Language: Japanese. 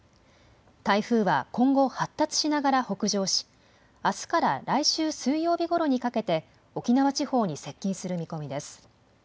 台風は今後、発達しながら北上しあすから来週水曜日ごろにかけて沖縄地方に接近する見込みです。